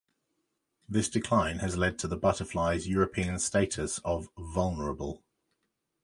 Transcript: This decline has led to the butterfly's European status of "vulnerable".